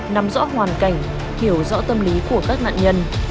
nằm rõ hoàn cảnh hiểu rõ tâm lý của các nạn nhân